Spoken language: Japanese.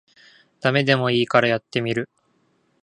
ダメでもいいからやってみる